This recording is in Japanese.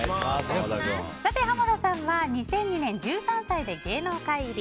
さて、濱田さんは２００２年、１３歳で芸能界入り。